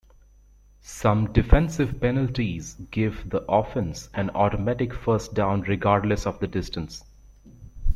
Some defensive penalties give the offense an automatic first down regardless of the distance.